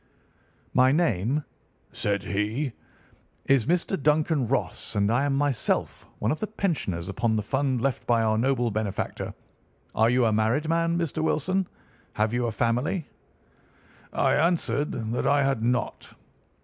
"'My name,' said he, 'is Mr. Duncan Ross, and I am myself one of the pensioners upon the fund left by our noble benefactor. Are you a married man, Mr. Wilson? Have you a family?' "I answered that I had not.